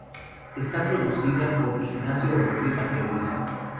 Es producida por Ignacio Ortiz para Televisa.